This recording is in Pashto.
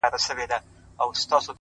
او د ځان غوښتنې پر ځای